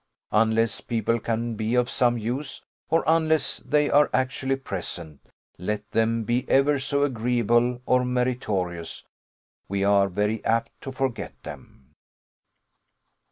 Unless people can be of some use, or unless they are actually present, let them be ever so agreeable or meritorious, we are very apt to forget them.